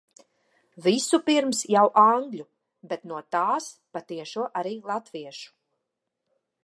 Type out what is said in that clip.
Visupirms jau angļu, bet no tās pa tiešo arī latviešu.